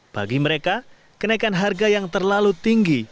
bagi mereka kenaikan harga yang terlalu tinggi